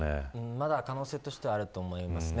まだ可能性としてはあると思いますね。